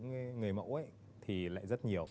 người mẫu thì lại rất nhiều